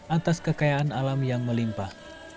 atas kekayaan alam yang melimpah